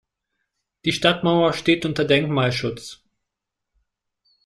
Die Stadtmauer steht unter Denkmalschutz.